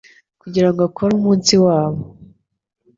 kugirango akore umunsi wabo